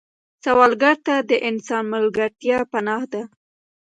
سوالګر ته د انسان ملګرتیا پناه ده